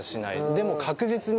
でも確実に、